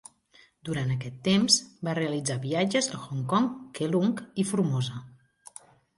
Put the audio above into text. Durant aquest temps, va realitzar viatges a Hong Kong, Keelung i Formosa.